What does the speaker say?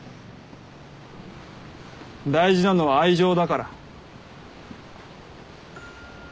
大事なのは愛情だから。